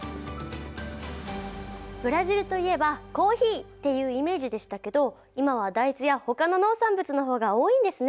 ブラジルといえばコーヒーっていうイメージでしたけど今は大豆やほかの農産物のほうが多いんですね。